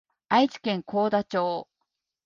愛知県幸田町